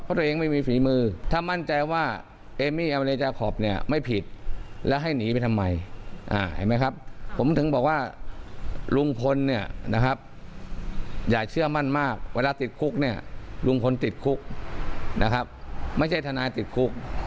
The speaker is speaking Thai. เพราะตัวเองไม่มีฝีมือถ้ามั่นใจว่าเอมี่อเมจาคอปเนี่ยไม่ผิดแล้วให้หนีไปทำไมเห็นไหมครับผมถึงบอกว่าลุงพลเนี่ยนะครับอย่าเชื่อมั่นมากเวลาติดคุกเนี่ยลุงพลติดคุกนะครับไม่ใช่ทนายติดคุก